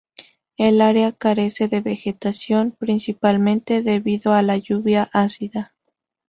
El área carece de vegetación, principalmente debido a la lluvia ácida.